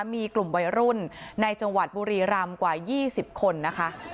มีกลุ่มวัยรุ่นในจังหวัดบุรีรำกว่า๒๐คนนะคะ